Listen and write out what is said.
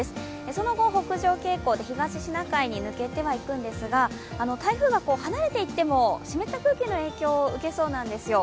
その後、北上傾向で東シナ海に抜けてはいくんですが、台風が離れていっても湿った空気の影響を受けそうなんですよ。